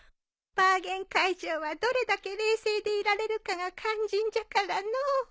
バーゲン会場はどれだけ冷静でいられるかが肝心じゃからのう。